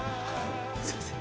すいません。